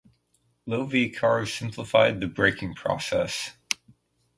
Lo-V cars simplified the braking process.